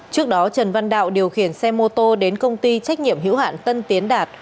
trước đó trần văn đạo điều khiển xe mô tô đến công ty trách nhiệm hữu hạn tân tiến đạt